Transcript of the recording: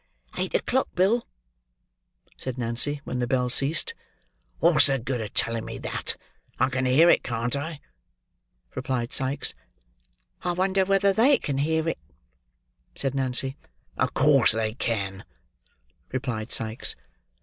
"Eight o'clock, Bill," said Nancy, when the bell ceased. "What's the good of telling me that; I can hear it, can't I!" replied Sikes. "I wonder whether they can hear it," said Nancy. "Of course they can," replied Sikes.